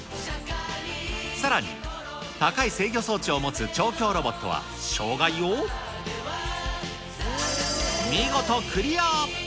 さらに、高い制御装置を持つ調教ロボットは、障害を、見事クリア。